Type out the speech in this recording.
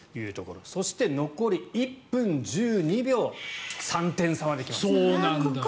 そして残り１分１２秒３点差まで来ました。